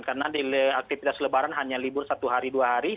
karena di aktivitas lebaran hanya libur satu hari dua hari